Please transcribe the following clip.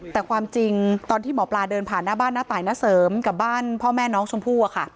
แต่ความจริงตอนที่หมอปลาเดินผ่านหน้าบ้านน้าตายณเสริมกับบ้านพ่อแม่น้องชมพู่